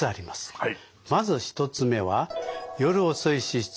はい。